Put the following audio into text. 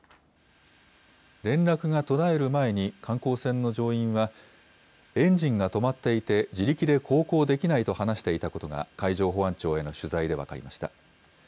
連絡が途絶える前に、観光船の乗員は、エンジンが止まっていて、自力で航行できないと話していたことが、海上保安庁への取材で分かりました。